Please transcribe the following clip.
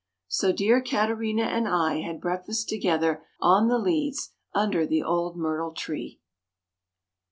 So dear Katerina and I had breakfast together on the leads under the old myrtle tree.